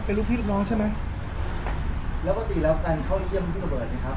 เป็นลูกพี่ลูกน้องใช่ไหมแล้วปกติแล้วการเข้าเยี่ยมพี่ตำรวจเนี่ยครับ